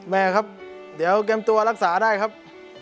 แม่ครับเดี๋ยวเตรียมตัวรักษาได้ครับ